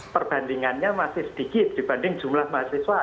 perbandingannya masih sedikit dibanding jumlah mahasiswa